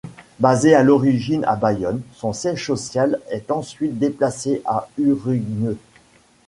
Basé à l'origine à Bayonne, son siège social est ensuite déplacé à Urrugne.